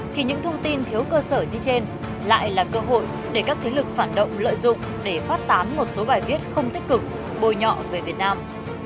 thì những thông tin thiếu cơ sở như trên lại là cơ hội để các thế lực phản động lợi dụng để phát tán một số bài viết không tích cực bồi nhọ về việt nam